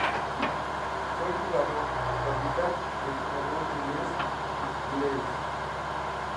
Fue jugador, capitán y entrenador de Les Bleus.